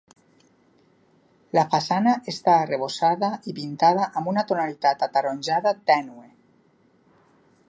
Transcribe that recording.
La façana està arrebossada i pintada amb una tonalitat ataronjada tènue.